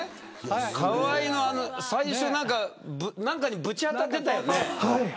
河合、最初何かにぶち当たってたよね。